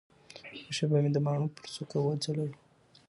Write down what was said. یوه شېبه مي د باڼو پر څوکه وځلوه